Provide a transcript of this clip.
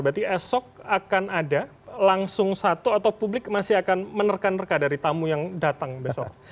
berarti esok akan ada langsung satu atau publik masih akan menerka nerka dari tamu yang datang besok